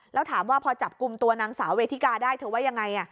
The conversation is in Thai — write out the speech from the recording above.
แล้วถามว่าพอจับกลุ่มตัวนางสาวเวทิกาได้เธอว่ายังไง